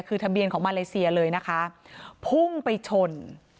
คือทะเบียนของมาเลเซียเลยนะคะพุ่งไปชน